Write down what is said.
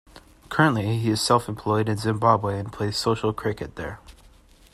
Currently he is self-employed in Zimbabwe and plays social cricket there.